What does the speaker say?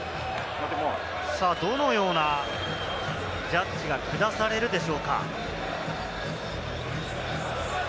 どのようなジャッジがくだされるでしょうか？